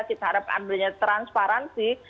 kita harap ambilnya transparansi